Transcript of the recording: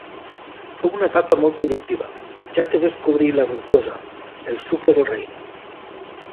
Fou una etapa molt productiva, ja que descobrí la glucosa, el sucre del raïm.